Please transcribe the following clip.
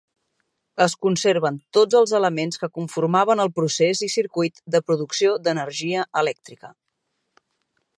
Es conserven tots els elements que conformaven el procés i circuit de producció d'energia elèctrica.